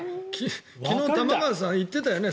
昨日玉川さん言っていたよね